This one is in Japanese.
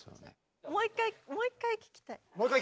もう一回もう一回聴きたい！